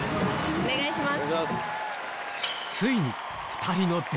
お願いします。